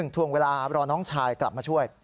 ๑ทวงเวลาเดี๋ยวเธอกลับมาช่วย